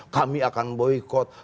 kami akan boykot